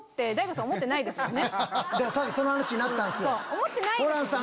さっきその話になったんすよ。